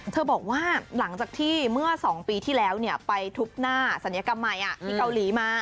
บอกว่าหลังจากที่เมื่อ๒ปีที่แล้วไปทุบหน้าศัลยกรรมใหม่ที่เกาหลีมา